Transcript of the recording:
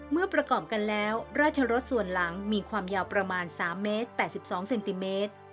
เมื่อประกอบกันแล้วราชรสส่วนหลังมีความยาวประมาณ๓เมตร๘๒เซนติเมตร